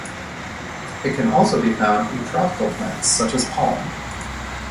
It can also be found in tropical plants such as palm.